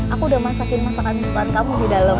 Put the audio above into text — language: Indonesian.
aku udah masakin masakan susuan kamu di dalam